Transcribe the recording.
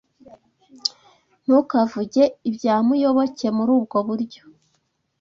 Ntukavuge ibya Muyoboke muri ubwo buryo.